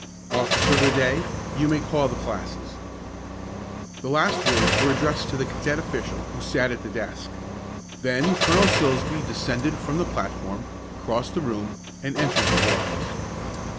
"Officer of the day, you may call the classes." The last words were addressed to the cadet official who sat at the desk. Then Colonel Silsbee descended from the platform, crossed the room, and entered his office.